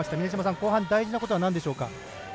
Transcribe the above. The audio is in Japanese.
後半、大事なことはなんでしょうか。